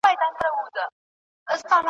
شپې لېونۍ وای له پایکوبه خو چي نه تېرېدای ,